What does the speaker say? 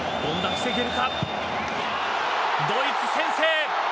ドイツ、先制。